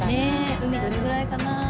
海どれぐらいかな？